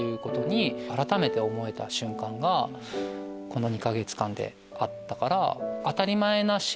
がこの２か月間であったから。